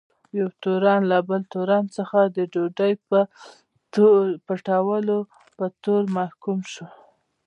یو تورن له بل تورن څخه د ډوډۍ پټولو په تور محکوم شو.